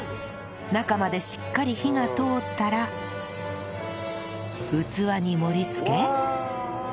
中までしっかり火が通ったら器に盛り付け